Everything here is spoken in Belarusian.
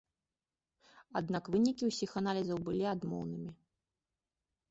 Аднак вынікі ўсіх аналізаў былі адмоўнымі.